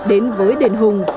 đến với đền hùng